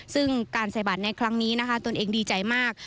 ซึ่งการใส่บัตรในครั้งนี้นะคะตนเองดีใจมาก